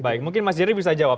baik mungkin mas jerry bisa jawab